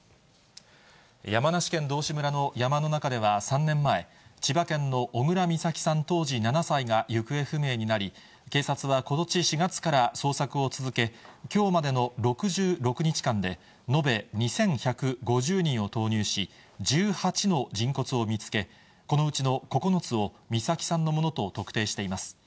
山梨県道志村の山の中では、３年前、千葉県の小倉美咲さん当時７歳が行方不明になり、警察はことし４月から捜索を続け、きょうまでの６６日間で、延べ２１５０人を投入し、１８の人骨を見つけ、このうちの９つを美咲さんのものと特定しています。